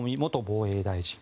防衛大臣